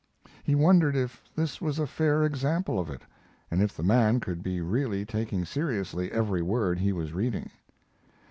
He wondered if this was a fair example of it, and if the man could be really taking seriously every word he was reading.